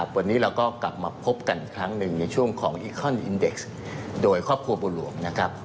วันนี้เราก็กลับมาพบกันอีคอนอินเด็กซ์โดยครอบครัวบวนหลวง